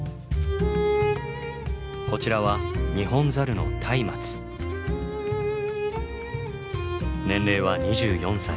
こちらは年齢は２４歳。